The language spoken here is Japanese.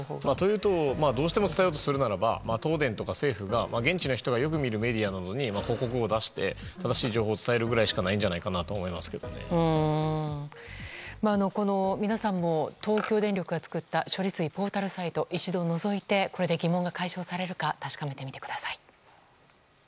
どうしても伝えようとするならば東電とか政府が現地の人がよく見るメディアなどに広告を出して正しい情報を伝えるぐらいしか皆さんも東京電力が作った処理水ポータルサイトを一度のぞいてこれで疑問が解消されるか確かめてみてください。